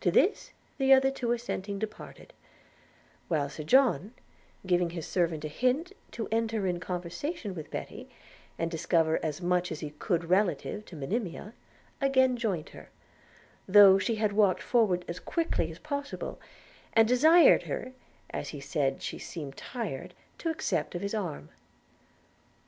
To this the other two assenting departed; while Sir John, giving his servant a hint to enter into conversation with Betty, and discover as much as he could relative to Monimia, again joined her, though she had walked forward as quickly as possible, and desired her, as he said she seemed tired, to accept of his arm.